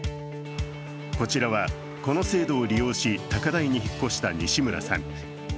こちらはこの制度を利用し高台に引っ越した西村さん。